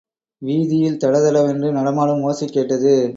வீதியில் தடதடவென்று நடமாடும் ஓசை கேட்டது.